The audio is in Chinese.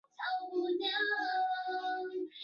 拯救藏羚羊网站同盟